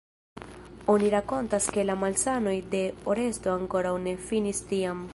Oni rakontas ke la malsanoj de Oresto ankoraŭ ne finis tiam.